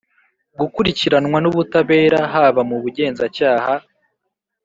gukurikiranwa nubutabera haba mu Bugenzacyaha